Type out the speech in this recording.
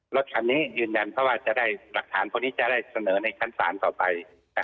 รถคันนี้ยืนยันเพราะว่าจะได้หลักฐานพวกนี้จะได้เสนอในชั้นศาลต่อไป